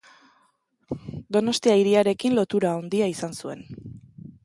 Donostia hiriarekin lotura handia izan zuen.